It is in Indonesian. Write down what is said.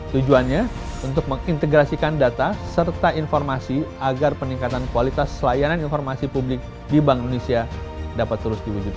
tujuannya untuk mengintegrasikan data serta informasi agar peningkatan kualitas layanan informasi publik di bank indonesia dapat terus diwujudkan